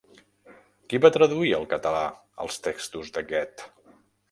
Qui va traduir al català els textos de Goethe?